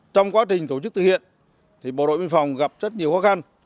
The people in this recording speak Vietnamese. trong quá trình tổ chức thực hiện thì bộ đội biên phòng gặp rất nhiều khó khăn